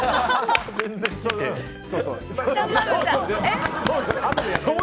そうそう。